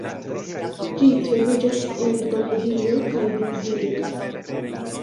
Ĝi troviĝas en Bolivio kaj Brazilo.